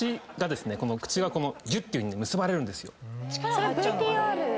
それＶＴＲ。